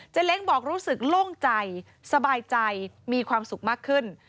เล้งบอกรู้สึกโล่งใจสบายใจมีความสุขมากขึ้น